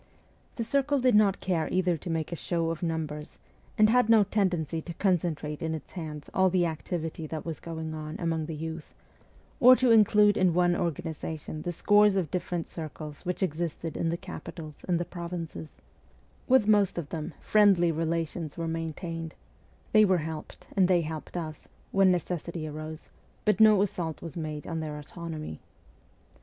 The circle did not care either to make a show of numbers, and had no tendency to concentrate in its hands all the activity that was going on among the youth, or to include in one organization the scores of different circles which existed in the capitals and the provinces. 96 MEMOIRS OF A REVOLUTIONIST With most of them friendly relations were maintained ; they were helped, and they helped us, when necessity arose, but no assault was made on their autonomy.